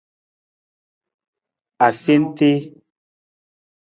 Asentii.